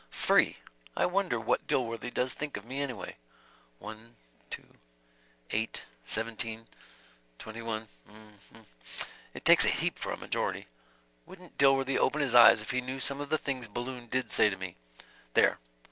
"Free! I wonder what Dilworthy does think of me anyway? One ... two ... eight ... seventeen ... twenty one ... 'm'm ... it takes a heap for a majority. Wouldn't Dilworthy open his eyes if he knew some of the things Balloon did say to me. There